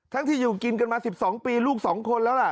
ที่อยู่กินกันมา๑๒ปีลูก๒คนแล้วล่ะ